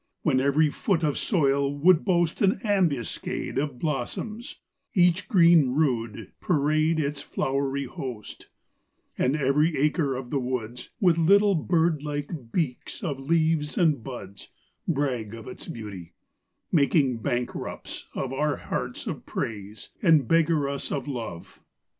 When every foot of soil would boast An ambuscade Of blossoms; each green rood parade Its flowery host; And every acre of the woods, With little bird like beaks of leaves and buds, Brag of its beauty; making bankrupts of Our hearts of praise, and beggar us of love.